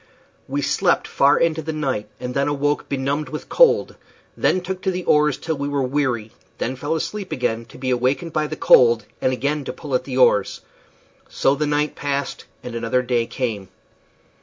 We slept far into the night, then awoke benumbed with cold; then took to the oars till we were weary; then fell asleep again, to be again awakened by the cold and again to pull at the oars. So the night passed, and another day came.